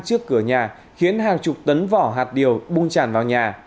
trước cửa nhà khiến hàng chục tấn vỏ hạt điều bung tràn vào nhà